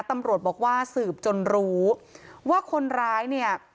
ตำรวจบอกว่าสืบจนรู้ว่าคนร้ายเนี่ย